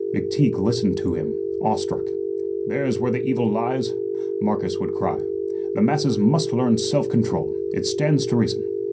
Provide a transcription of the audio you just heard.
McTeague listened to him, awestruck. "There's where the evil lies," Marcus would cry. "The masses must learn self control; it stands to reason.